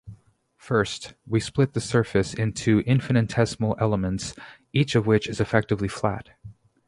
First, we split the surface into infinitesimal elements, each of which is effectively flat.